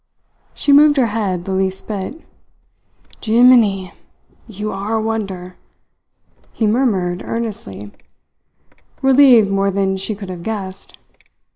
She moved her head the least bit. "Jee miny! You are a wonder " he murmured earnestly, relieved more than she could have guessed.